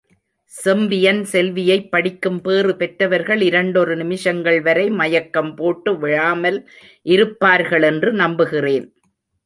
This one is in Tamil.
செம்பியன் செல்வி யைப் படிக்கும் பேறு பெற்றவர்கள் இரண்டொரு நிமிஷங்கள்வரை மயக்கம் போட்டு விழாமல் இருப்பார்களென்று நம்புகிறேன்.